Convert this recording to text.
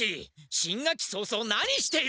新学期早々何している！